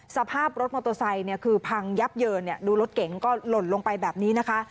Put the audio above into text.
สภาพรถมอเตอร์ไซค์คือพังยับเยินดูรถเก๋งก็หล่นลงไปแบบนี้นะคะ